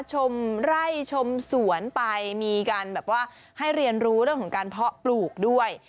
ชมไร่ชมสวนไปมีการแบบว่าให้เรียนรู้เรื่องของการเพาะปลูกด้วย